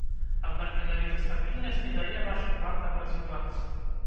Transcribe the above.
Аднак менавіта стабільнасць не дае нашым банкам развівацца.